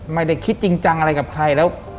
ไม่ได้คิดจริงจังอะไรกับใครแล้ว